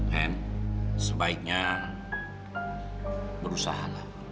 dan sebaiknya berusaha